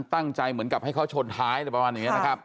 ตั้งใจเหมือนกับให้เขาโชนท้ายประมาณนี้นะครับ